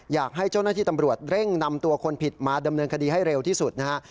อยากให้เจ้าหน้าที่ตำรวจเร่งนำตัวคนผิดมาดำเนินคดีให้เร็วที่สุดนะฮะ